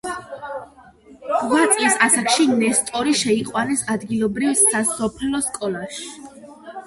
რვა წლის ასაკში ნესტორი შეიყვანეს ადგილობრივ სასოფლო სკოლაში.